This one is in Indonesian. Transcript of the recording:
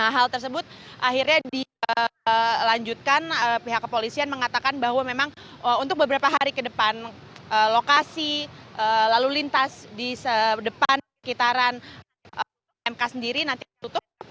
hal tersebut akhirnya dilanjutkan pihak kepolisian mengatakan bahwa memang untuk beberapa hari ke depan lokasi lalu lintas di depan kitaran mk sendiri nanti tutup